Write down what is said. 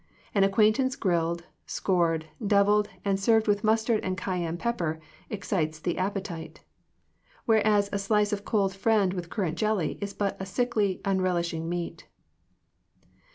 An acquaintance grilled, scored, devilled, and served with mustard and cayenne pep per, excites the appetite; whereas a slice of cold friend with currant jelly is but a sickly, unrelishing meat."